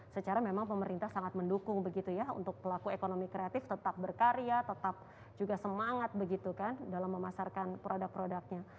secara memang pemerintah sangat mendukung begitu ya untuk pelaku ekonomi kreatif tetap berkarya tetap juga semangat begitu kan dalam memasarkan produk produknya